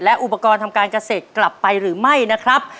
อุปกรณ์ทำการเกษตรกลับไปหรือไม่นะครับ